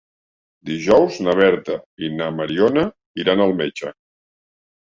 Dijous na Berta i na Mariona iran al metge.